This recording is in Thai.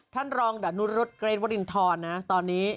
ท่านรองดานุรุษเกรทวรินทรนะตอนนี้